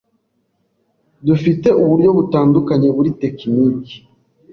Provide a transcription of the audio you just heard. Dufite uburyo butandukanye buri tekiniki,